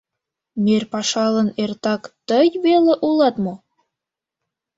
Мер пашалан эртак тый веле улат мо?